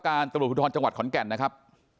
ตรวจพุทธภัณฑ์จังหวัดขอนแก่นนะครับ